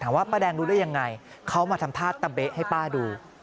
ว่าป้าแดงรู้ได้ยังไงเขามาทำท่าตะเบ๊ะให้ป้าดู